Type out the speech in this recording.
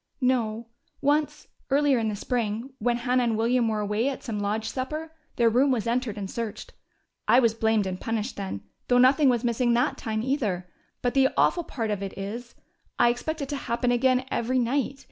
"No. Once, earlier in the spring, when Hannah and William were away at some lodge supper, their room was entered and searched. I was blamed and punished then, though nothing was missing that time, either. But the awful part of it is: I expect it to happen again every night.